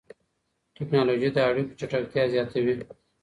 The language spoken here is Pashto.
ټکنالوژي د اړيکو چټکتيا زياتوي.